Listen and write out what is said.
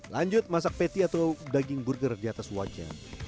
lanjut masak patty atau daging burger di atas wajan